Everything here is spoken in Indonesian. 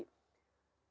mana mungkin kata allah